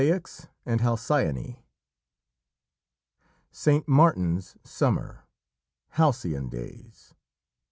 CEYX AND HALCYONE "St. Martin's summer, halcyon days."